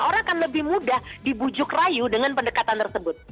orang akan lebih mudah dibujuk rayu dengan pendekatan tersebut